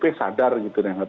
pdep sadar gitu deh